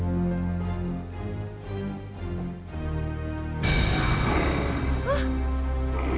jangan sedikit mediterranean